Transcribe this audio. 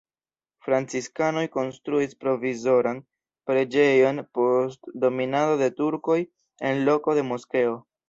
Franciskanoj konstruis provizoran preĝejon post dominado de turkoj en loko de moskeo.